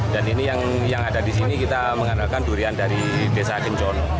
dan ini yang ada di sini kita mengandalkan durian dari desa akencon